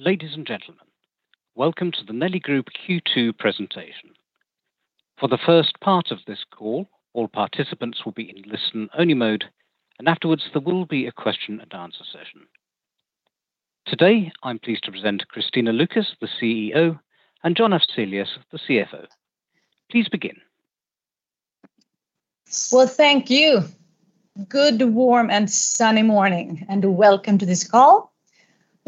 Ladies and gentlemen, welcome to the Nelly Group Q2 presentation. For the first part of this call, all participants will be in listen-only mode, and afterwards, there will be a question and answer session. Today, I'm pleased to present Kristina Lukes, the CEO, and John Afzelius, the CFO. Please begin. Well, thank you. Good, warm, and sunny morning, and welcome to this call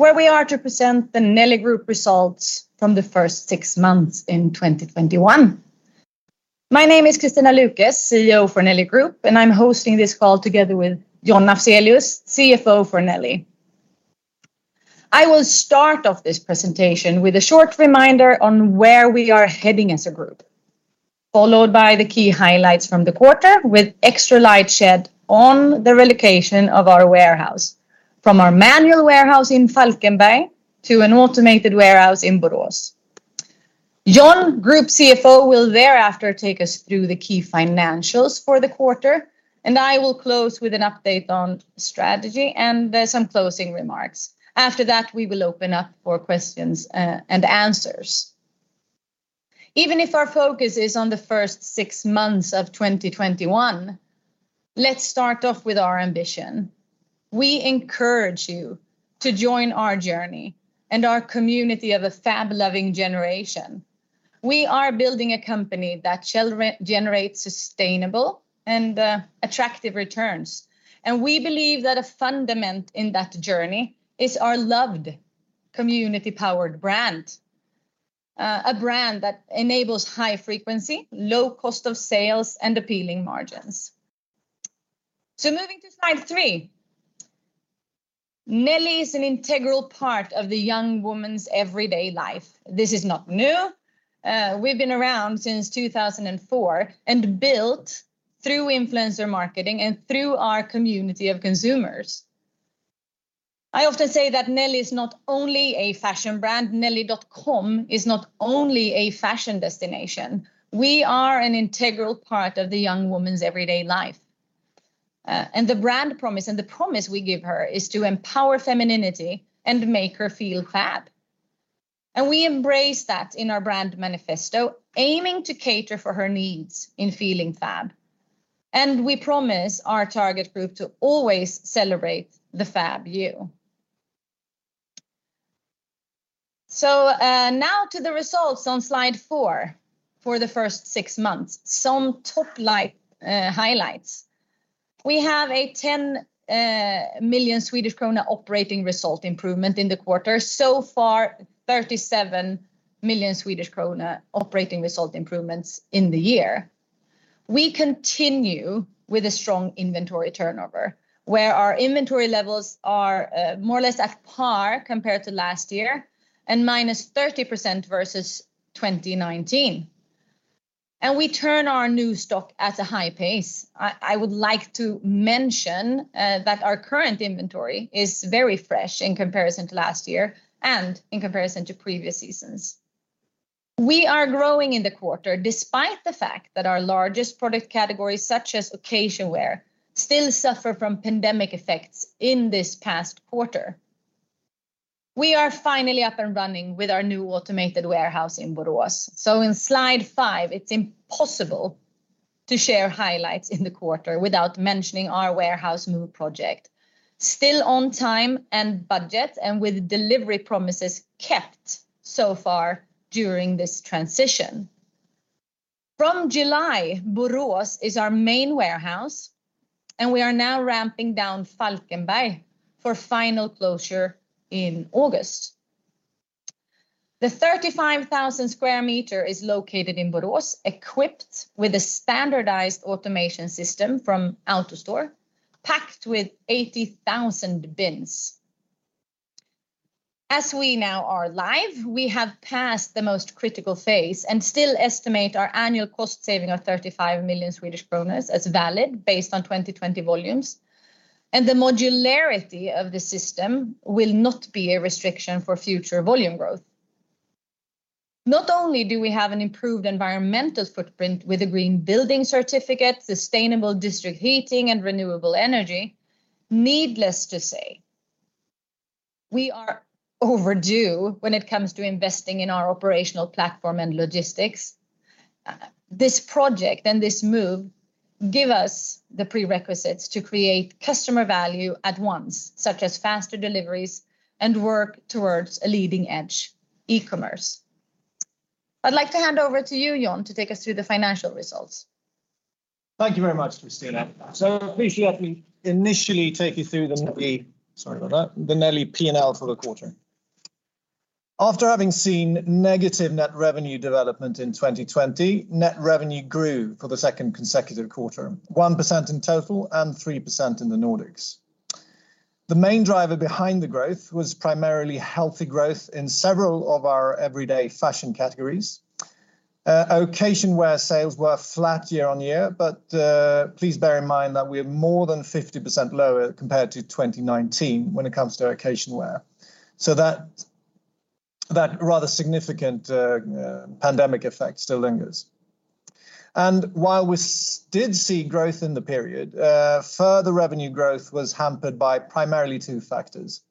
where we are to present the Nelly Group results from the first six months in 2021. My name is Kristina Lukes, CEO for Nelly Group, and I'm hosting this call together with John Afzelius, CFO for Nelly. I will start off this presentation with a short reminder on where we are heading as a group, followed by the key highlights from the quarter with extra light shed on the relocation of our warehouse from our manual warehouse in Falkenberg to an automated warehouse in Borås. John, Group CFO, will thereafter take us through the key financials for the quarter, and I will close with an update on strategy and then some closing remarks. After that, we will open up for questions and answers. Our focus is on the first six months of 2021, let's start off with our ambition. We encourage you to join our journey and our community of a fab-loving generation. We are building a company that shall generate sustainable and attractive returns, we believe that a fundament in that journey is our loved community-powered brand, a brand that enables high frequency, low cost of sales, and appealing margins. Moving to slide three. Nelly is an integral part of the young woman's everyday life. This is not new. We've been around since 2004 and built through influencer marketing and through our community of consumers. I often say that Nelly is not only a fashion brand. Nelly.com is not only a fashion destination. We are an integral part of the young woman's everyday life. The brand promise and the promise we give her is to empower femininity and make her feel fab. We embrace that in our brand manifesto, aiming to cater for her needs in feeling fab, and we promise our target group to always celebrate the fab you. Now to the results on slide four for the first six months. Some top highlights. We have a 10 million Swedish krona operating result improvement in the quarter. So far, 37 million Swedish krona operating result improvements in the year. We continue with a strong inventory turnover, where our inventory levels are more or less at par compared to last year and -30% versus 2019. We turn our new stock at a high pace. I would like to mention that our current inventory is very fresh in comparison to last year and in comparison to previous seasons. We are growing in the quarter despite the fact that our largest product categories, such as occasion wear, still suffer from pandemic effects in this past quarter. We are finally up and running with our new automated warehouse in Borås. In slide five, it's impossible to share highlights in the quarter without mentioning our warehouse move project, still on time and budget and with delivery promises kept so far during this transition. From July, Borås is our main warehouse, and we are now ramping down Falkenberg for final closure in August. The 35,000 sq m is located in Borås, equipped with a standardized automation system from AutoStore, packed with 80,000 bins. As we now are live, we have passed the most critical phase and still estimate our annual cost saving of 35 million Swedish kronor as valid based on 2020 volumes, and the modularity of the system will not be a restriction for future volume growth. Not only do we have an improved environmental footprint with a green building certificate, sustainable district heating, and renewable energy, needless to say, we are overdue when it comes to investing in our operational platform and logistics. This project and this move give us the prerequisites to create customer value at once, such as faster deliveries and work towards a leading-edge e-commerce. I'd like to hand over to you, John, to take us through the financial results. Thank you very much, Kristina. Please let me initially take you through The Nelly P&L for the quarter. After having seen negative net revenue development in 2020, net revenue grew for the second consecutive quarter, 1% in total and 3% in the Nordics. The main driver behind the growth was primarily healthy growth in several of our everyday fashion categories. Occasion wear sales were flat year-on-year, but please bear in mind that we're more than 50% lower compared to 2019 when it comes to occasion wear. So that rather significant pandemic effect still lingers. While we did see growth in the period, further revenue growth was hampered by primarily two factors.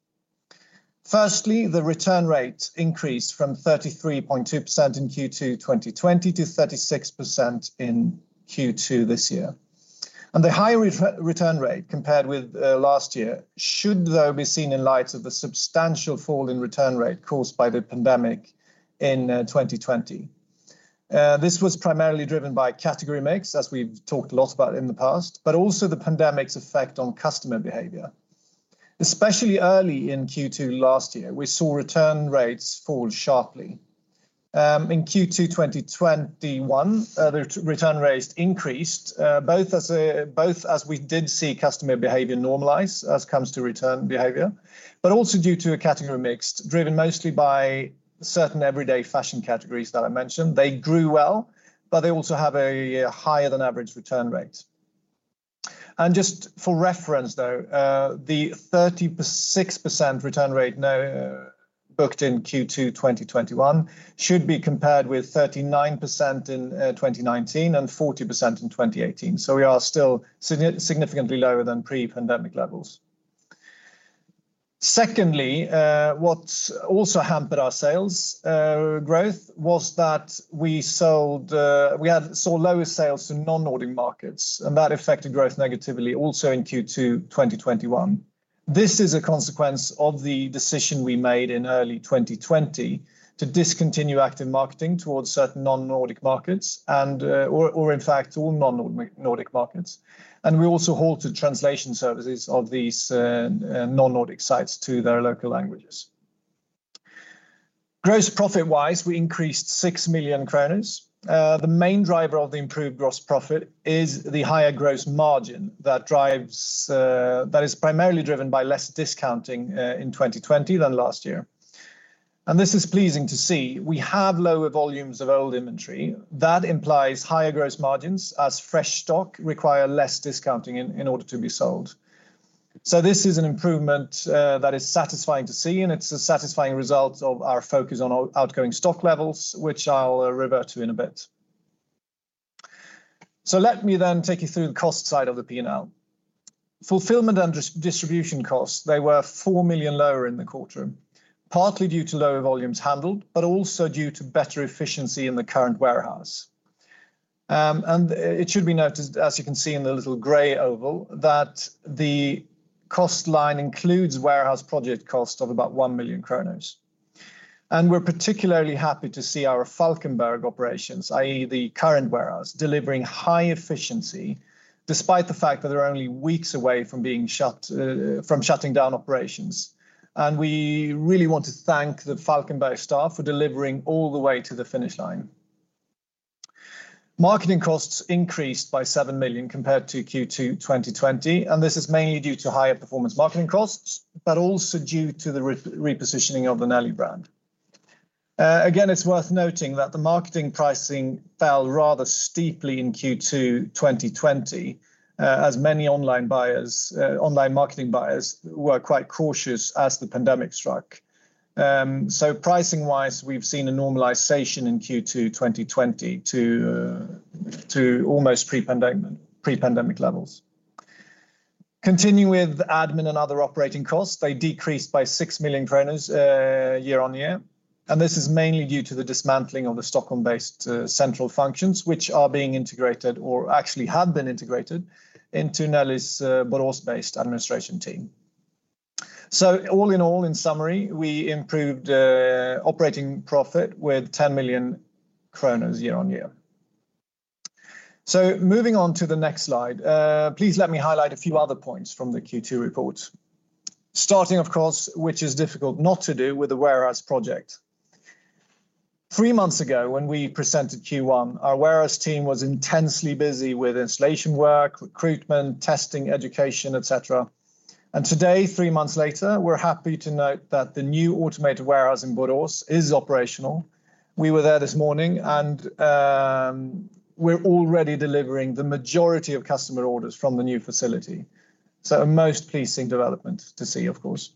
Firstly, the return rate increased from 33.2% in Q2 2020 to 36% in Q2 this year. The higher return rate compared with last year should though be seen in light of the substantial fall in return rate caused by the pandemic in 2020. This was primarily driven by category mix, as we've talked a lot about in the past, but also the pandemic's effect on customer behavior. Especially early in Q2 last year, we saw return rates fall sharply. In Q2 2021, the return rates increased both as we did see customer behavior normalize as comes to return behavior, but also due to a category mix driven mostly by certain everyday fashion categories that I mentioned. They grew well, but they also have a higher than average return rate. Just for reference though, the 36% return rate now booked in Q2 2021 should be compared with 39% in 2019 and 40% in 2018. We are still significantly lower than pre-pandemic levels. Secondly, what also hampered our sales growth was that we had saw lower sales to non-Nordic markets. That affected growth negatively also in Q2 2021. This is a consequence of the decision we made in early 2020 to discontinue active marketing towards certain non-Nordic markets or in fact all non-Nordic markets. We also halted translation services of these non-Nordic sites to their local languages. Gross profit-wise, we increased 6 million kronor. The main driver of the improved gross profit is the higher gross margin that is primarily driven by less discounting in 2020 than last year. This is pleasing to see. We have lower volumes of old inventory. That implies higher gross margins as fresh stock require less discounting in order to be sold. This is an improvement that is satisfying to see, and it's a satisfying result of our focus on outgoing stock levels, which I'll revert to in a bit. Let me then take you through the cost side of the P&L. Fulfillment and distribution costs, they were 4 million lower in the quarter, partly due to lower volumes handled, but also due to better efficiency in the current warehouse. It should be noted, as you can see in the little gray oval, that the cost line includes warehouse project cost of about 1 million. We're particularly happy to see our Falkenberg operations, i.e. the current warehouse, delivering high efficiency despite the fact that they're only weeks away from shutting down operations. We really want to thank the Falkenberg staff for delivering all the way to the finish line. Marketing costs increased by 7 million compared to Q2 2020. This is mainly due to higher performance marketing costs, but also due to the repositioning of the Nelly brand. Again, it's worth noting that the marketing pricing fell rather steeply in Q2 2020 as many online marketing buyers were quite cautious as the pandemic struck. Pricing-wise, we've seen a normalization in Q2 2020 to almost pre-pandemic levels. Continuing with admin and other operating costs, they decreased by 6 million year-on-year. This is mainly due to the dismantling of the Stockholm-based central functions, which are being integrated or actually have been integrated into Nelly's Borås-based administration team. All in all, in summary, we improved operating profit with 10 million kronor year-on-year. Moving on to the next slide, please let me highlight a few other points from the Q2 report. Starting, of course, which is difficult not to do, with the warehouse project. Three months ago, when we presented Q1, our warehouse team was intensely busy with installation work, recruitment, testing, education, et cetera. Today, three months later, we're happy to note that the new automated warehouse in Borås is operational. We were there this morning and we're already delivering the majority of customer orders from the new facility. A most pleasing development to see, of course.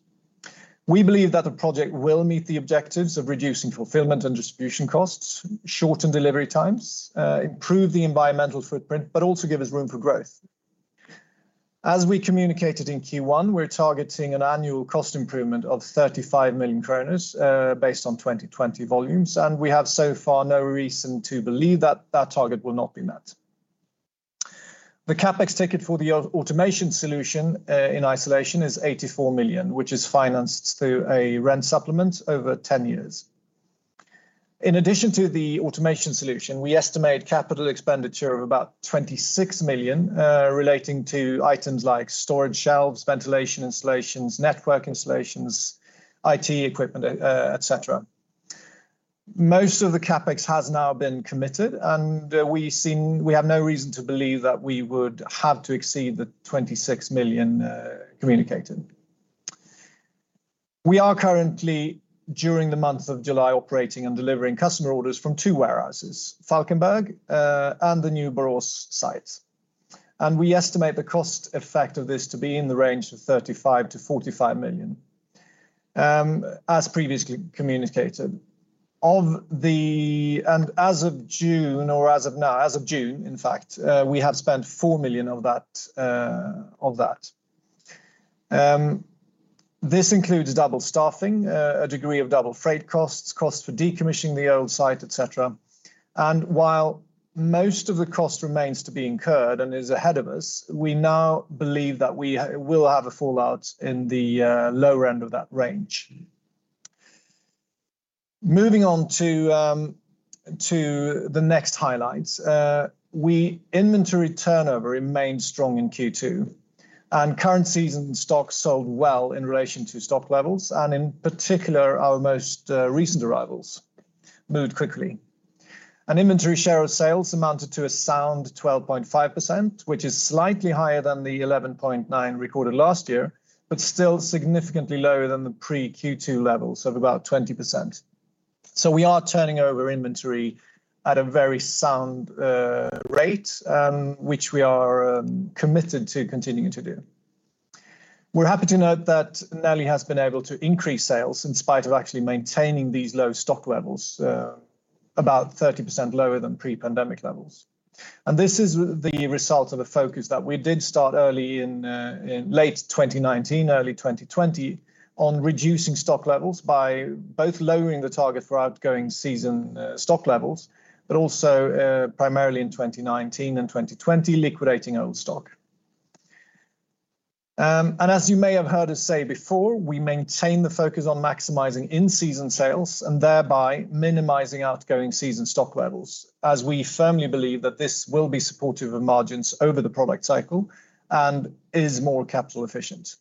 We believe that the project will meet the objectives of reducing fulfillment and distribution costs, shorten delivery times, improve the environmental footprint, but also give us room for growth. As we communicated in Q1, we're targeting an annual cost improvement of 35 million kronor, based on 2020 volumes, we have so far no reason to believe that that target will not be met. The CapEx ticket for the automation solution in isolation is 84 million, which is financed through a rent supplement over 10 years. In addition to the automation solution, we estimate capital expenditure of about 26 million, relating to items like storage shelves, ventilation installations, network installations, IT equipment, et cetera. Most of the CapEx has now been committed, and we have no reason to believe that we would have to exceed the 26 million communicated. We are currently, during the month of July, operating and delivering customer orders from two warehouses, Falkenberg and the new Borås site. We estimate the cost effect of this to be in the range of 35 million-45 million. As previously communicated, and as of June, we have spent 4 million of that. This includes double staffing, a degree of double freight costs for decommissioning the old site, et cetera. While most of the cost remains to be incurred and is ahead of us, we now believe that we will have a fallout in the lower end of that range. Moving on to the next highlights. Inventory turnover remained strong in Q2, and current season stock sold well in relation to stock levels and, in particular, our most recent arrivals moved quickly. An inventory share of sales amounted to a sound 12.5%, which is slightly higher than the 11.9% recorded last year, but still significantly lower than the pre-Q2 levels of about 20%. We are turning over inventory at a very sound rate, which we are committed to continuing to do. We're happy to note that Nelly has been able to increase sales in spite of actually maintaining these low stock levels, about 30% lower than pre-pandemic levels. This is the result of a focus that we did start early in late 2019, early 2020, on reducing stock levels by both lowering the target for outgoing season stock levels, but also, primarily in 2019 and 2020, liquidating old stock. As you may have heard us say before, we maintain the focus on maximizing in-season sales and thereby minimizing outgoing season stock levels, as we firmly believe that this will be supportive of margins over the product cycle and is more capital efficient.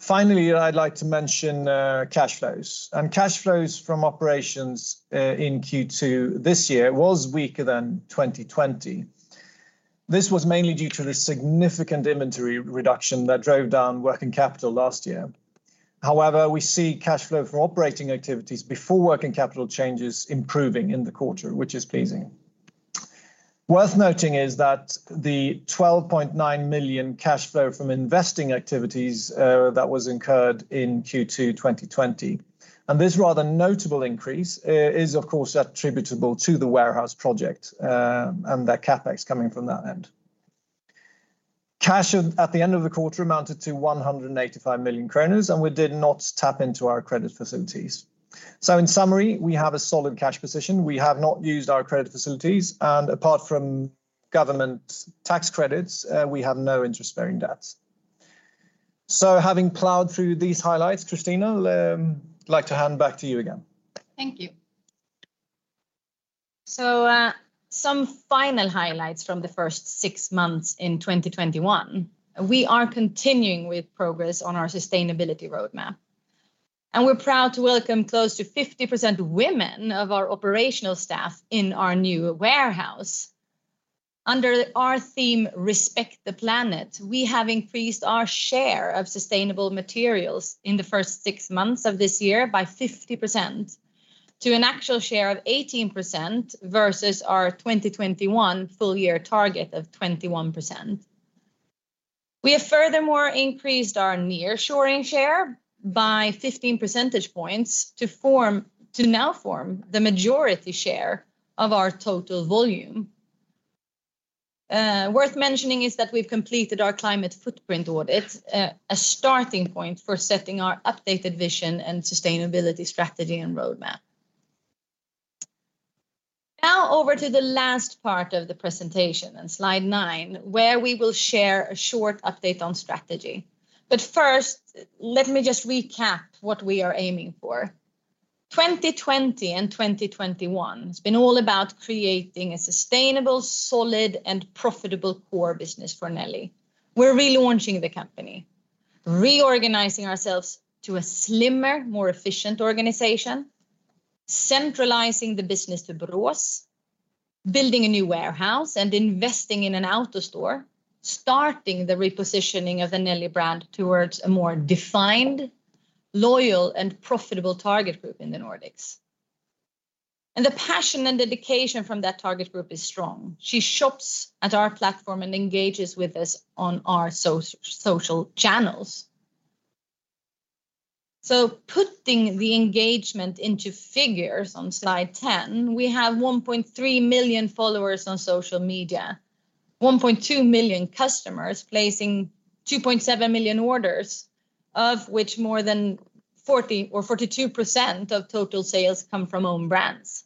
Finally, I'd like to mention cash flows. Cash flows from operations in Q2 this year was weaker than 2020. This was mainly due to the significant inventory reduction that drove down working capital last year. However, we see cash flow from operating activities before working capital changes improving in the quarter, which is pleasing. Worth noting is that the 12.9 million cash flow from investing activities that was incurred in Q2 2020, and this rather notable increase is, of course, attributable to the warehouse project and the CapEx coming from that end. Cash at the end of the quarter amounted to 185 million, and we did not tap into our credit facilities. In summary, we have a solid cash position. We have not used our credit facilities, and apart from government tax credits, we have no interest-bearing debts. Having plowed through these highlights, Kristina, I'd like to hand back to you again. Thank you. Some final highlights from the first six months in 2021. We are continuing with progress on our sustainability roadmap, and we're proud to welcome close to 50% women of our operational staff in our new warehouse. Under our theme, Respect the Planet, we have increased our share of sustainable materials in the first six months of this year by 50%, to an actual share of 18% versus our 2021 full year target of 21%. We have furthermore increased our nearshoring share by 15 percentage points to now form the majority share of our total volume. Worth mentioning is that we've completed our climate footprint audit, a starting point for setting our updated vision and sustainability strategy and roadmap. Over to the last part of the presentation and slide nine, where we will share a short update on strategy. First, let me just recap what we are aiming for. 2020 and 2021 has been all about creating a sustainable, solid, and profitable core business for Nelly. We're relaunching the company, reorganizing ourselves to a slimmer, more efficient organization, centralizing the business to Borås, building a new warehouse, and investing in an AutoStore, starting the repositioning of the Nelly brand towards a more defined, loyal, and profitable target group in the Nordics. The passion and dedication from that target group is strong. She shops at our platform and engages with us on our social channels. Putting the engagement into figures on slide 10, we have 1.3 million followers on social media, 1.2 million customers placing 2.7 million orders, of which more than 42% of total sales come from own brands.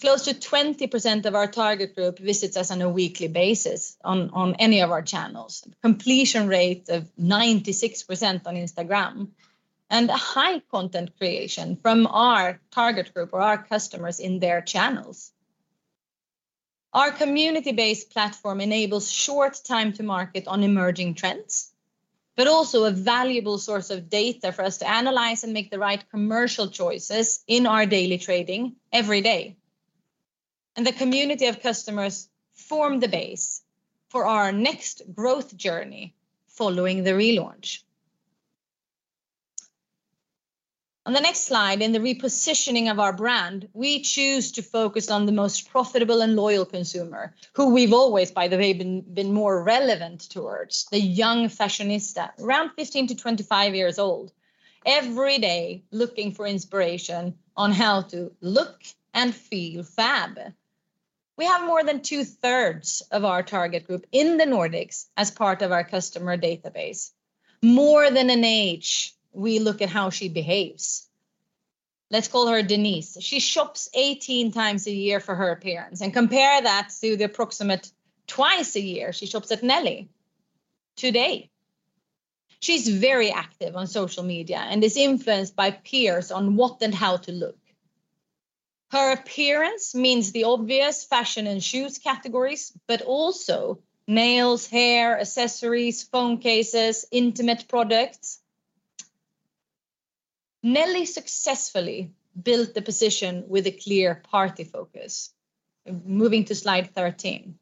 Close to 20% of our target group visits us on a weekly basis on any of our channels. Completion rate of 96% on Instagram and a high content creation from our target group or our customers in their channels. Our community-based platform enables short time to market on emerging trends, but also a valuable source of data for us to analyze and make the right commercial choices in our daily trading, everyday. The community of customers form the base for our next growth journey following the relaunch. On the next slide, in the repositioning of our brand, we choose to focus on the most profitable and loyal consumer, who we've always, by the way, been more relevant towards, the young fashionista, around 15 to 25 years old, every day looking for inspiration on how to look and feel fab. We have more than two-thirds of our target group in the Nordics as part of our customer database. More than an age, we look at how she behaves. Let's call her Denise. She shops 18 times a year for her appearance, and compare that to the approximate twice a year she shops at Nelly today. She's very active on social media and is influenced by peers on what and how to look. Her appearance means the obvious fashion and shoes categories, but also nails, hair, accessories, phone cases, intimate products. Nelly successfully built the position with a clear party focus. Moving to slide 13.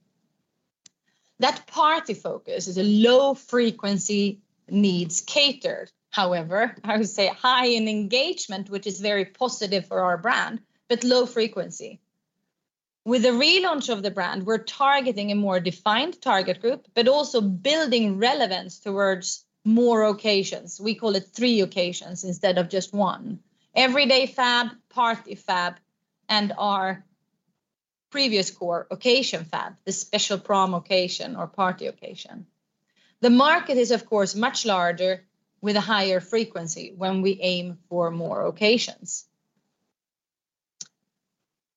That party focus is a low-frequency needs catered. However, I would say high in engagement, which is very positive for our brand, but low frequency. With the relaunch of the brand, we're targeting a more defined target group, but also building relevance towards more occasions. We call it three occasions instead of just one. Everyday fab, party fab, and our previous core occasion fab, the special prom occasion or party occasion. The market is, of course, much larger with a higher frequency when we aim for more occasions.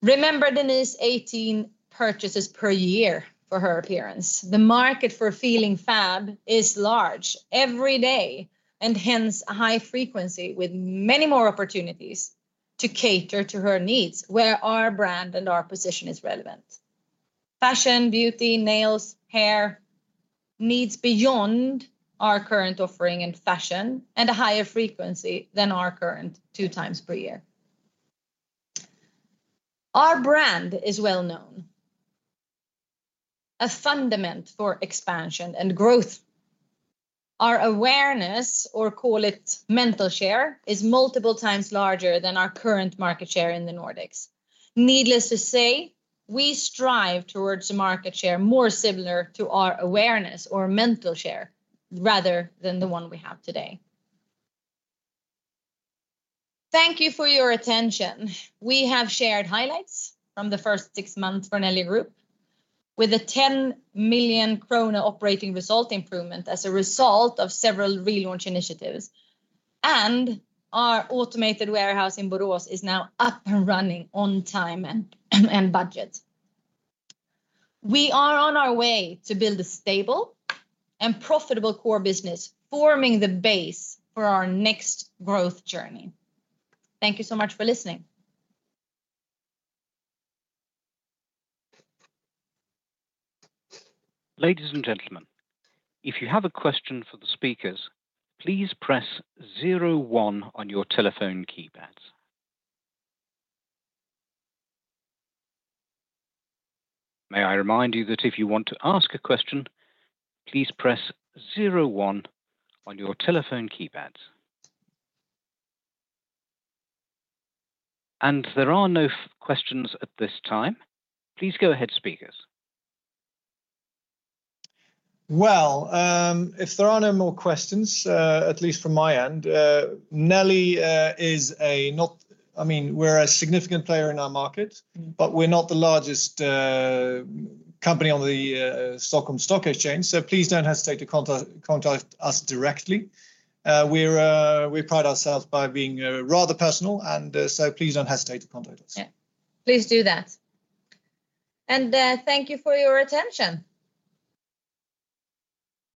Remember Denise's 18 purchases per year for her appearance. The market for feeling fab is large every day, and hence, a high frequency with many more opportunities to cater to her needs, where our brand and our position is relevant. Fashion, beauty, nails, hair. Needs beyond our current offering in fashion and a higher frequency than our current two times per year. Our brand is well-known, a fundament for expansion and growth. Our awareness, or call it mental share, is multiple times larger than our current market share in the Nordics. Needless to say, we strive toward a market share more similar to our awareness or mental share rather than the one we have today. Thank you for your attention. We have shared highlights from the first six months for Nelly Group with a 10 million krona operating result improvement as a result of several relaunch initiatives, and our automated warehouse in Borås is now up and running on time and budget. We are on our way to build a stable and profitable core business, forming the base for our next growth journey. Thank you so much for listening. Ladies and gentlemen, if you have a question for the speakers, please press 01 on your telephone keypads. May I remind you that if you want to ask a question, please press 01 on your telephone keypads. And there are no questions at this time. Please go ahead, speakers. Well, if there are no more questions, at least from my end, Nelly, we're a significant player in our market, but we're not the largest company on the Stockholm Stock Exchange. Please don't hesitate to contact us directly. We pride ourselves by being rather personal. Please don't hesitate to contact us. Please do that. Thank you for your attention.